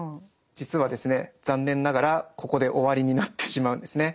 実はですね残念ながらここで終わりになってしまうんですね。